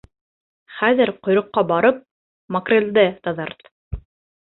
Хәҙер, ҡойроҡҡа барып, макрелде таҙарт.